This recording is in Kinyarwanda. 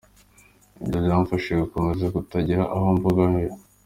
Ibyo byamfashije gukomeza kutagira aho mbogamira.